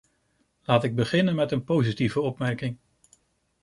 Laat ik beginnen met een positieve opmerking.